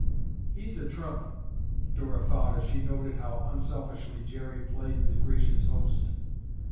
"He's a trump!" Dora thought as she noted how unselfishly Jerry played the gracious host.